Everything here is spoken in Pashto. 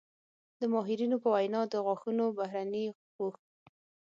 د ماهرینو په وینا د غاښونو بهرني پوښ